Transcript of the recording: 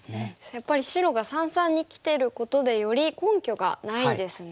やっぱり白が三々にきてることでより根拠がないですね。